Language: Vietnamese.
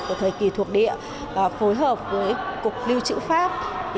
của thời kỳ thuộc địa phối hợp với cục lưu trữ pháp